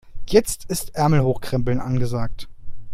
Jetzt ist Ärmel hochkrempeln angesagt.